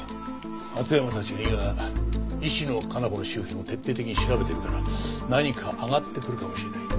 松山たちが今石野香奈子の周辺を徹底的に調べてるから何か挙がってくるかもしれない。